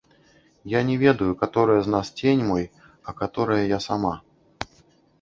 Я не ведаю, каторае з нас цень мой, а каторае я сама?